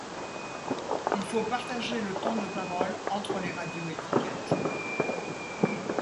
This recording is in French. Il faut partager le temps de parole entre les radio-étiquettes.